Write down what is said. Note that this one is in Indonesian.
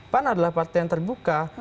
pan adalah partai yang terbuka